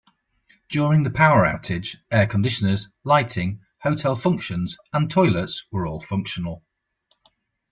During the power outage, air conditioners, lighting, hotel functions, and toilets were all functional.